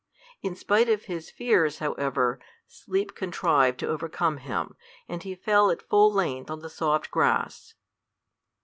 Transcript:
In spite of his fears, however, sleep contrived to overcome him, and he fell at full length on the soft grass.